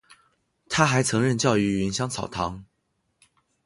他还曾任教于芸香草堂。